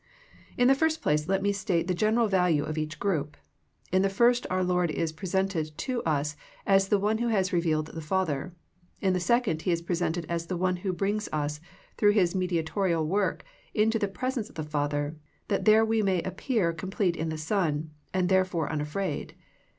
In the first place let me state the general value of each group. In the first our Lord is presented to us as the One who has revealed the Father. In the second He is presented as the One who brings us, through His mediatorial work, into the presence of the Father that there we may appear complete in the Son, and therefore unafraid.